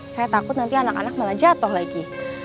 saya takut nanti anak anak malah jatuh lagi